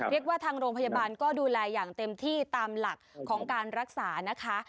เรียกว่าทางโรงพยาบาลก็ดูแลอย่างเต็มที่ตามหลักของการรักษานะคะ